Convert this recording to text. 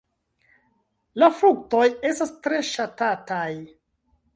La fruktoj estas tre ŝatataj.